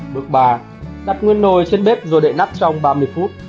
bước ba đặt nguyên nồi trên bếp rồi đệ nắp trong ba mươi phút